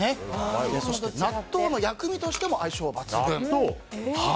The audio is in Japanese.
そして納豆の薬味としても相性抜群。